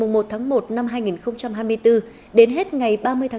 năm hai nghìn hai mươi bốn đến hết ngày ba mươi sáu hai nghìn hai mươi bốn